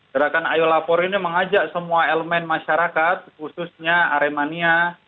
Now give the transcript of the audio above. gerakan ayo lapor ini mengajak semua elemen masyarakat khususnya aremania